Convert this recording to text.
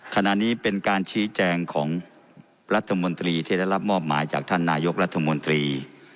ขณะนี้เป็นการชี้แจงของรัฐมนตรีที่ได้รับมอบหมายจากท่านนายกรัฐมนตรี